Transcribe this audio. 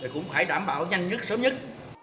có nhanh nhất sớm nhất